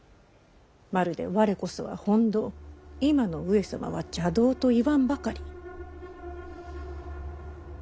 まるで「われこそは本道今の上様は邪道」と言わんばかり。